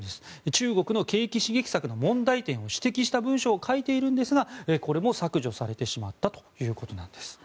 中国の景気刺激策の問題点を指摘した文章を書いているんですがこれも削除されてしまったということです。